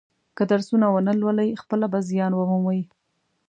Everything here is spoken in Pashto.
که درسونه و نه لولي خپله به زیان و مومي.